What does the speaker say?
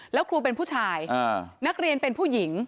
แล้วครูเป็นผู้ชายนักเรียนเป็นผู้หญิง